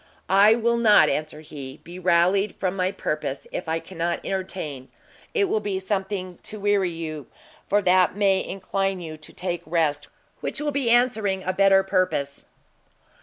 "I will not," answered he, "be rallied from my purpose; if I cannot entertain, it will be something to weary you, for that may incline you to take rest, which will he answering a better purpose."